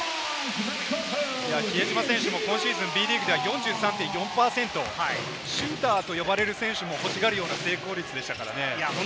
比江島選手も今シーズンＢリーグでは４３．４％、シューターと呼ばれる選手も欲しがるような成功率でしたからね。